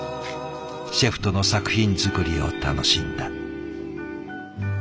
シェフとの作品作りを楽しんだ。